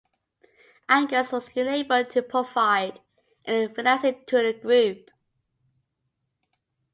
Angas was unable to provide any financing to the group.